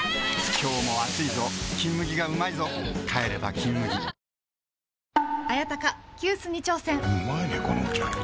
今日も暑いぞ「金麦」がうまいぞ帰れば「金麦」ご無沙汰でーす！